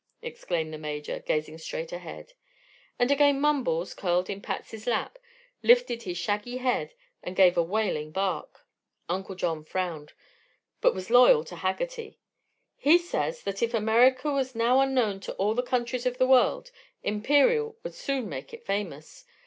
exclaimed the Major, gazing straight ahead. And again Mumbles, curled in Patsy's lap, lifted his shaggy head and gave a wailing bark. Uncle John frowned, but was loyal to Haggerty. "He says that if America was now unknown to all the countries of the world, Imperial would soon make it famous.